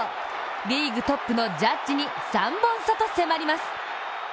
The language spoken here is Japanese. リーグトップのジャッジに３本差と迫ります。